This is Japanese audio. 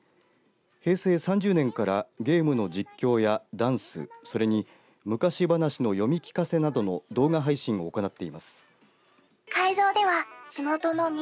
平成３０年からゲームの実況やダンスそれに昔話の読み聞かせなどの動画配信を行っています。